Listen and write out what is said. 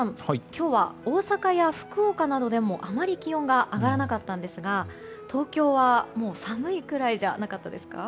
今日は大阪や福岡などでもあまり気温が上がらなかったんですが東京はもう寒いくらいじゃなかったですか。